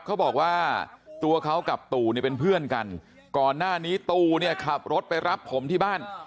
เขาบอกว่าตัวเขากับตู่เนี่ยเป็นเพื่อนกันก่อนหน้านี้ตู่เนี่ยขับรถไปรับผมที่บ้าน